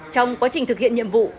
trong quá trình thực hiện nhiệm vụ